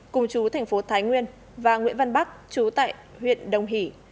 cùng chú thành phố thái nguyên và nguyễn văn bắc chú tại huyện đồng hỷ